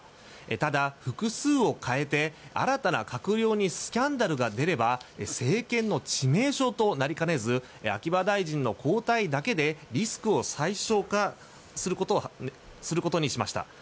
ただ複数を代えて新たな閣僚にスキャンダルが出れば政権の致命傷となりかねず秋葉大臣の交代だけでリスクを最小化することにしました。